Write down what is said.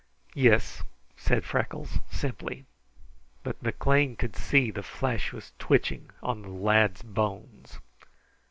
"Yis," said Freckles simply. But McLean could see the flesh was twitching on the lad's bones.